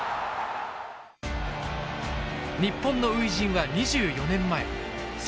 日本の初陣は２４年前。